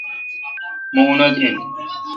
مہ اونتھ این۔